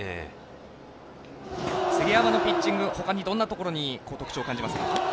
杉山のピッチング他にどんなところに特徴を感じますか？